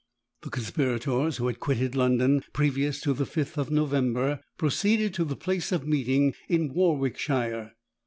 The conspirators who had quitted London, previous to the fifth of November, proceeded to the place of meeting in Warwickshire.